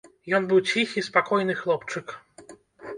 Ён быў ціхі, спакойны хлопчык.